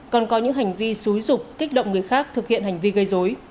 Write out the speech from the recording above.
còn có những hành vi xúi rục kích động người khác thực hiện hành vi gây dối